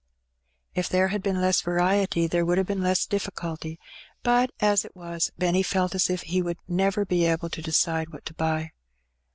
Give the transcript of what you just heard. If there had been less variety there would have been less difficulty ; but, as it was, Benny felt as if he would never be able to decide what to buy.